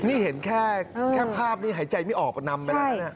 นี่เห็นแค่ภาพนี้หายใจไม่ออกนำไปแล้วนะเนี่ย